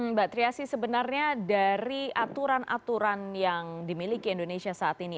mbak triasi sebenarnya dari aturan aturan yang dimiliki indonesia saat ini